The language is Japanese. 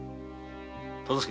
忠相。